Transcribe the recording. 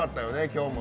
今日も。